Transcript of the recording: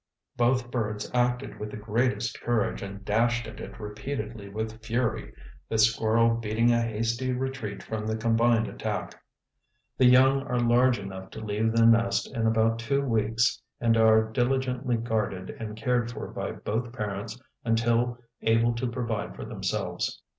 Both birds acted with the greatest courage and dashed at it repeatedly with fury, the squirrel beating a hasty retreat from the combined attack. The young are large enough to leave the nest in about two weeks and are diligently guarded and cared for by both parents until able to provide for themselves.